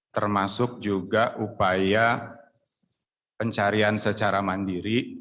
termasuk juga upaya pencarian secara mandiri